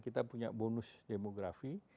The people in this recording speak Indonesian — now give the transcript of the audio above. kita punya bonus demografi